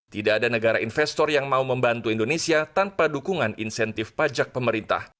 tidak ada negara investor yang mau membantu indonesia tanpa dukungan insentif pajak pemerintah